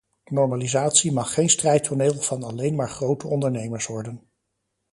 Normalisatie mag geen strijdtoneel van alleen maar grote ondernemers worden.